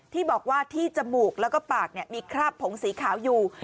ที่บอกว่าที่จมูกแล้วก็ปากมีคราบผงสีขาวอยู่